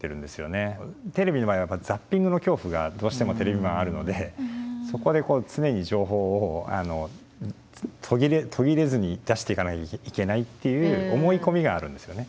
テレビの場合はザッピングの恐怖がどうしてもテレビマンはあるのでそこで常に情報を途切れずに出していかなきゃいけないっていう思い込みがあるんですよね。